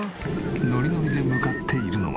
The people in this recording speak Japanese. ノリノリで向かっているのは。